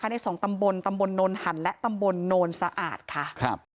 ใน๒ตำบลตำบลนนท์หันและตำบลนนท์สะอาดค่ะ